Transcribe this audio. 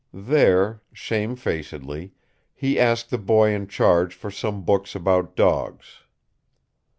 There, shamefacedly, he asked the boy in charge for some books about dogs.